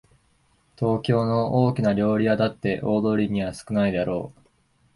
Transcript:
東京の大きな料理屋だって大通りには少ないだろう